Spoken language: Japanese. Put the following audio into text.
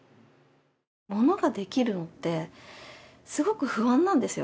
ものができるのってすごく不安なんですよ。